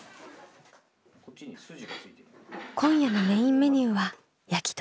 今夜のメインメニューは焼き鳥。